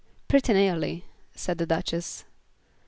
"Pretty nearly," said the Duchess.